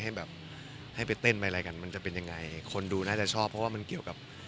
ให้แบบให้ไปเต้นไปอะไรกันมันจะเป็นยังไงคนดูน่าจะชอบเพราะว่ามันเกี่ยวกับ